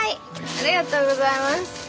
ありがとうございます。